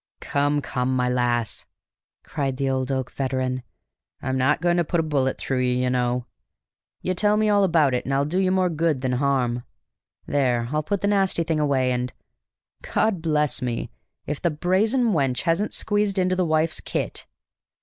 "Come, come, my lass," cried the old oak veteran, "I'm not going to put a bullet through you, you know! You tell me all about it, and it'll do you more good than harm. There, I'll put the nasty thing away and God bless me, if the brazen wench hasn't squeezed into the wife's kit!"